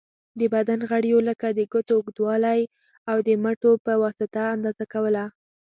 د بدن غړیو لکه د ګوتو اوږوالی، او د مټو په واسطه اندازه کوله.